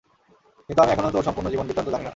কিন্তু আমি এখনও তোর সম্পূর্ণ জীবন-বৃত্তান্ত জানি না।